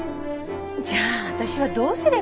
じゃあ私はどうすればいいの？